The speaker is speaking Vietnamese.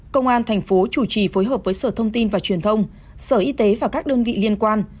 công an thành phố chủ trì phối hợp với sở thông tin và truyền thông sở y tế và các đơn vị liên quan